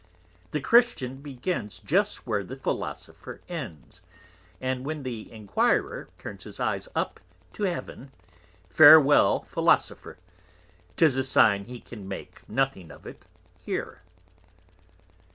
The Christian begins just where the Philosopher ends; and when the Enquirer turns his Eyes up to Heaven, Farewel Philosopher; 'tis a Sign he can make nothing of it here.